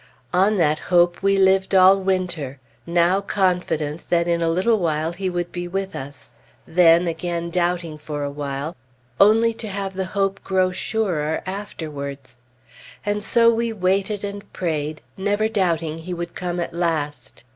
On that hope we lived all winter now confident that in a little while he would be with us, then again doubting for a while, only to have the hope grow surer afterwards. And so we waited and prayed, never doubting he would come at last.